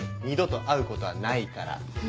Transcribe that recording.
二度と会うことはないから。